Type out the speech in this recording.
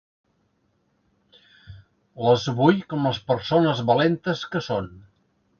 Les vull com les persones valentes que són.